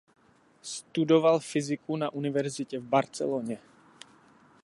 Studoval fyziku na univerzitě v Barceloně.